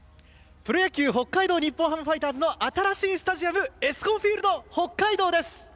プロ野球北海道日本ハムファイターズの新しいスタジアムエスコンフィールド北海道です。